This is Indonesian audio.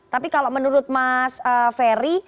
tapi kalau menurut mas ferry